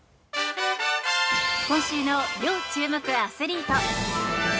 今週の要注目アスリート。